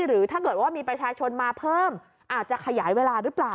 หรือถ้าเกิดว่ามีประชาชนมาเพิ่มอาจจะขยายเวลาหรือเปล่า